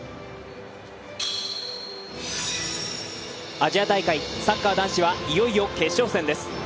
アジア大会、サッカー男子はいよいよ決勝戦です。